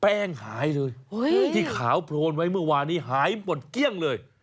หายเลยที่ขาวโพลนไว้เมื่อวานนี้หายหมดเกลี้ยงเลย